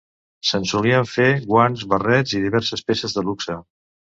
Se'n solien fer guants, barrets i diverses peces de luxe.